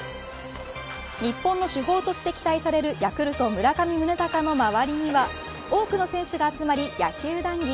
日本の主砲として期待されるヤクルト、村上宗隆の周りには多くの選手が集まり野球談義。